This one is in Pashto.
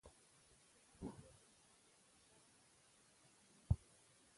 سرحدونه د افغانستان د دوامداره پرمختګ لپاره اړین دي.